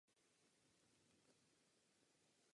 Ve stejné době se přestěhoval spolu s rodiči do obce Mokrý.